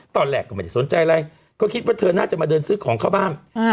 ตอนแรกก็ไม่ได้สนใจอะไรก็คิดว่าเธอน่าจะมาเดินซื้อของเข้าบ้าน